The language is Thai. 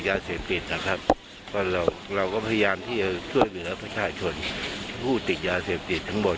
ท่านลองค่ะในฐานะที่เป็นรัฐธรรมการแล้วก็รูแลเรื่องการปรับกรามยาเสพติบกันตลอด